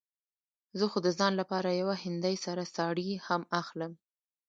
زه خو د ځان لپاره يوه هندۍ سره ساړي هم اخلم.